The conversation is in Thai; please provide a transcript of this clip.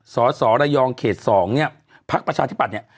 สอสอระยองเขตสองเนี้ยพรรคประชาธิบัตรเนี้ย